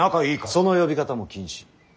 その呼び方も禁止。